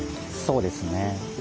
そうですね。